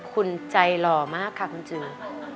คุณใจหล่อมากค่ะคุณจือ